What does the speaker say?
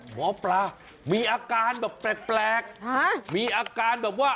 หมอปลามีอาการแบบแปลกมีอาการแบบว่า